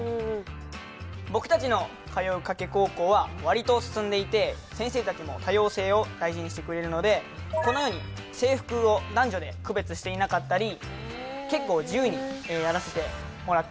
僕たちの通う加計高校は割と進んでいて先生たちも多様性を大事にしてくれるのでこのように制服を男女で区別していなかったり結構自由にやらせてもらっています。